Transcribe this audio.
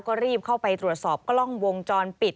ก็รีบเข้าไปตรวจสอบกล้องวงจรปิด